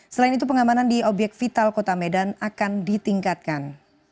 selain itu pengamanan di obyek vital kota medan akan ditingkatkan